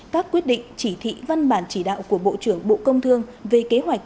các quyết định chỉ thị văn bản chỉ đạo của bộ trưởng bộ công thương về kế hoạch